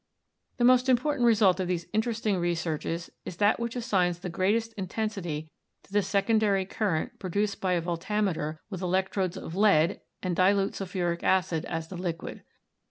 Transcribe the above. The most important result of these interesting re searches is that which assigns the greatest intensity to the secondary current produced by a voltameter with elec trodes of lead, and dilute sulphuric acid as the liquid.